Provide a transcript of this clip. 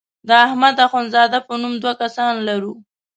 د احمد اخوند زاده په نوم دوه کسان لرو.